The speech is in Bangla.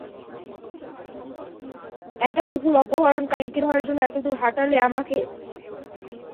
একটা কুকুর অপহরণকারীকে ধরার জন্য এতদূর হাঁটালে আমাকে?